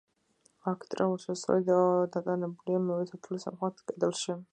არქიტრავული შესასვლელი დატანებულია მეორე სართულის სამხრეთ კედელში.